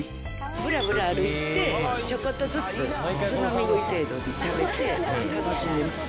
ぶらぶら歩いて、ちょこっとずつ、つまみ食い程度に食べて楽しんでます。